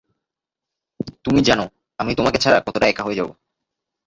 তুমি জানো আমি তোমাকে ছাড়া কতটা একা হয়ে যাবো।